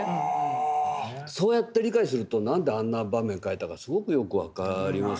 そうやって理解すると何であんな場面描いたかすごくよく分かりますよね。